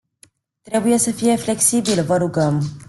Trebuie să fie flexibil, vă rugăm!